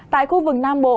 tại khu vực nam bộ